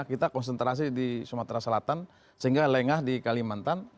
kita konsentrasi di sumatera selatan sehingga lengah di kalimantan